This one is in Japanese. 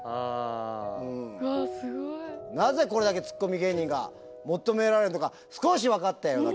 なぜこれだけツッコミ芸人が求められるのか少し分かったような気がしますね。